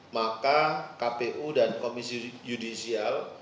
maka kpu dan komisi yudisial